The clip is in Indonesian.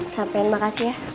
sampein makasih ya